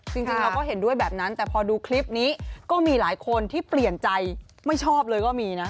จริงเราก็เห็นด้วยแบบนั้นแต่พอดูคลิปนี้ก็มีหลายคนที่เปลี่ยนใจไม่ชอบเลยก็มีนะ